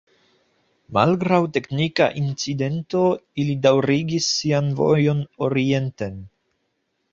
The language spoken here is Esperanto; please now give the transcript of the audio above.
Malgraŭ teknika incidento, ili daŭrigis sian vojon orienten.